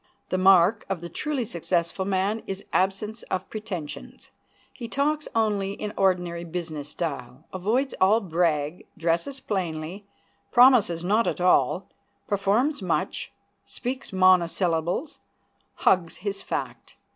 The mark of the truly successful man is absence of pretensions. He talks in only ordinary business style, avoids all brag, dresses plainly, promises not at all, performs much, speaks monosyllables, hugs his fact.